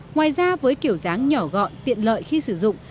ngoài ra với kiểu dáng nhỏ gọn tiện lợi khi sử dụng